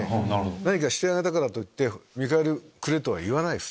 何かしてあげたからといって見返りをくれ！とは言わない。